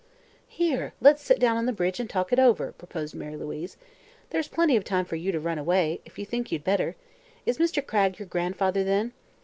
"Here; let's sit down on the bridge and talk it over," proposed Mary Louise. "There's plenty of time for you to run away, if you think you'd better. Is Mr. Cragg your grandfather, then?"